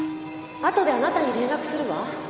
あとであなたに連絡するわ。